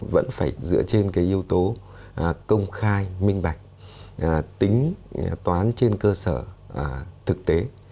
vẫn phải dựa trên cái yếu tố công khai minh bạch tính toán trên cơ sở thực tế